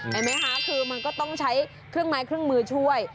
เห็นไหมคะคือมันก็ต้องใช้เครื่องไม้เครื่องมือช่วย